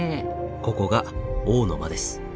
ここが「王の間」です。